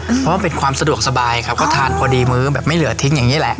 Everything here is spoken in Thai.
เพราะว่าเป็นความสะดวกสบายครับเขาทานพอดีมื้อแบบไม่เหลือทิ้งอย่างนี้แหละ